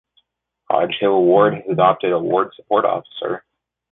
Hodge Hill Ward has adopted a Ward Support Officer.